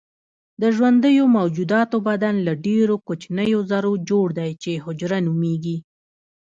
د ژوندیو موجوداتو بدن له ډیرو کوچنیو ذرو جوړ دی چې حجره نومیږي